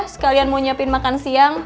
sekalian mau nyiapin makan siang